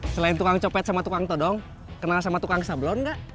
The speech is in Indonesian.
selain tukang copet sama tukang todong kenal sama tukang sablon gak